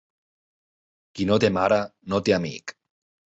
Qui no té mare, no té amic.